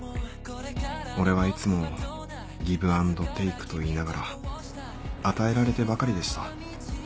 俺はいつも「ギブアンドテイク」と言いながら与えられてばかりでした。